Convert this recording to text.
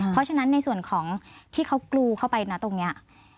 เพราะฉะนั้นในส่วนของที่เขากรูเข้าไปนะตรงนี้